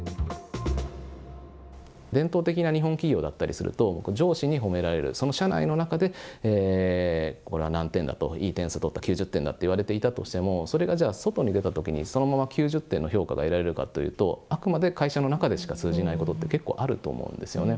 伝統的な日本企業だったりすると、上司に褒められる、その社内の中でこれは何点だと、いい点数取った９０点だとしても、それがじゃあ、外に出たときに、そのまま９０点の評価が得られるかというと、あくまで会社の中でしか通じないことって、結構あると思うんですよね。